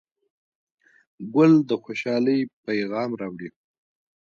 ګل د خوشحالۍ پیغام راوړي.